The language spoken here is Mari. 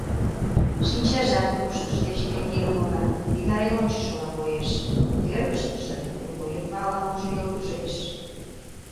Шинчажат тоштыж деч келгеммыла, витарен ончалшыла коеш, кӧргыштыжӧ тулойыпла ала-можо йылгыжеш.